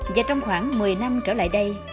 và trong khoảng một mươi năm trở lại đây